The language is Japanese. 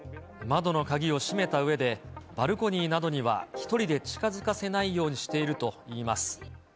窓の鍵を閉めたうえで、バルコニーなどには１人で近づかせないようにしているといいます。